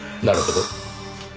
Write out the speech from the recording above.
なるほど。